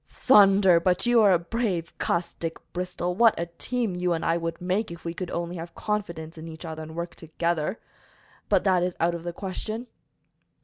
"Thunder! but you are a brave cuss, Dick Bristol! What a team you and I would make, if we could only have confidence in each other and work together! But, that is out of the question."